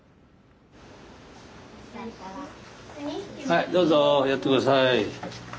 はいどうぞやって下さい。